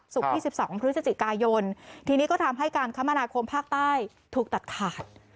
ศุกร์ที่สิบสองของพฤศจิกายนทีนี้ก็ทำให้การคมราคมภาคใต้ถูกตัดขาด